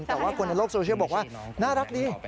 แต่ว่าคนในโลกโซเชียลบอกว่าน่ารักดี